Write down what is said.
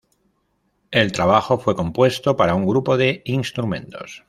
El trabajo fue compuesto para un grupo de instrumentos.